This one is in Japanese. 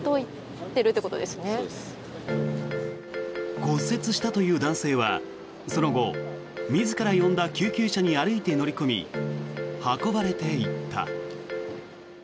骨折したという男性はその後、自ら呼んだという救急車に歩いて乗り込み運ばれていった。